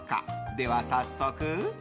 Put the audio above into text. では早速。